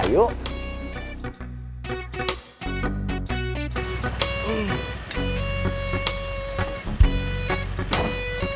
masih ada yang mau berbicara